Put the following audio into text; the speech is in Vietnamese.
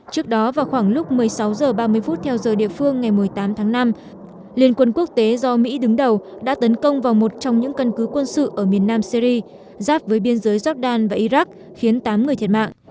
trước đó vào khoảng lúc một mươi sáu h ba mươi theo giờ địa phương ngày một mươi tám tháng năm liên quân quốc tế do mỹ đứng đầu đã tấn công vào một trong những căn cứ quân sự ở miền nam syri giáp với biên giới jordan và iraq khiến tám người thiệt mạng